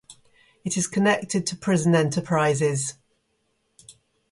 It is connected to prison enterprises.